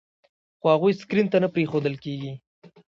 خو هغوی سکرین ته نه پرېښودل کېږي.